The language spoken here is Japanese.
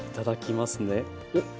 おっ！